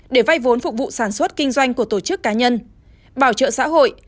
để vay vốn phục vụ sản xuất kinh doanh của tổ chức cá nhân bảo trợ xã hội